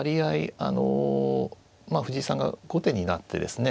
あの藤井さんが後手になってですね